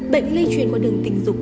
bệnh lây truyền qua đường tình dục